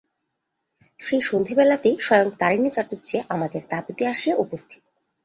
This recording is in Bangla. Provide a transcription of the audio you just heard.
সেই সন্ধ্যাবেলাতেই স্বয়ং তারিণী চাটুজ্জে আমাদের তাঁবুতে আসিয়া উপস্থিত।